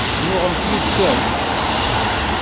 Tennuɣemt yid-sen?